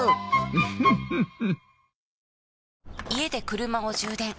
ウフフフ。